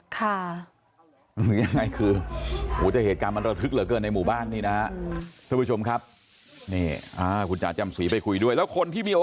คุณพี่เขาบอกว่าช่วงที่ผู้ชายคนนี้ก่อเขตยิงปืนไปแล้วเนี่ย